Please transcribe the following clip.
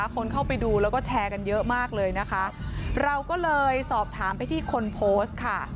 คนเข้าไปดูแล้วก็แชร์กันเยอะมากเลยนะคะเราก็เลยสอบถามไปที่คนโพสต์ค่ะ